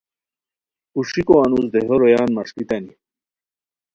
کوݰیکو انوس دیہو رویان مݰکیتانی